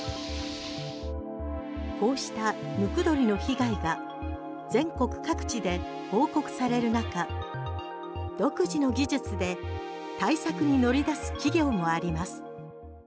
こうしたムクドリの被害が全国各地で報告される中独自の技術で対策に乗り出す企業もあります。